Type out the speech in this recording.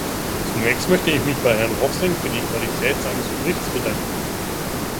Zunächst möchte ich mich bei Herrn Rovsing für die Qualität seines Berichts bedanken.